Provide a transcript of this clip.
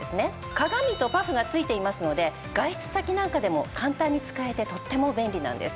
鏡とパフが付いていますので外出先なんかでも簡単に使えてとっても便利なんです。